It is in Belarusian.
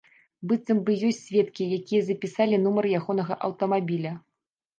Быццам бы ёсць сведкі, якія запісалі нумар ягонага аўтамабіля.